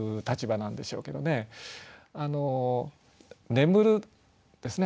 眠るですね